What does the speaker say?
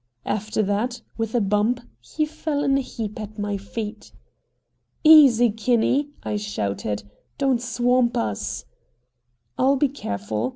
At that, with a bump, he fell in a heap at my feet. "Easy, Kinney!" I shouted. "Don't swamp us!" "I'll be careful!"